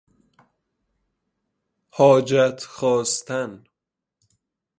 حاجت خواستن